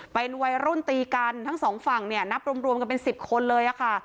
เป็นวัยรุ่นตีกันทั้งสองฝั่งเนี่ยนับรวมกันเป็น๑๐คนเลยค่ะ